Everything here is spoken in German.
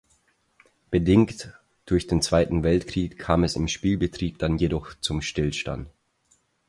Bedingt durch den Zweiten Weltkrieg kam es im Spielbetrieb dann jedoch zum Stillstand.